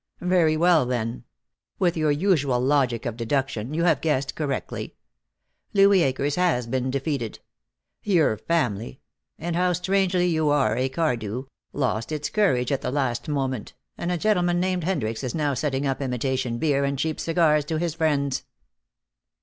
"Very well, then. With your usual logic of deduction, you have guessed correctly. Louis Akers has been defeated. Your family and how strangely you are a Cardew! lost its courage at the last moment, and a gentleman named Hendricks is now setting up imitation beer and cheap cigars to his friends."